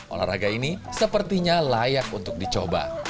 olahraga ini sepertinya layak untuk dicoba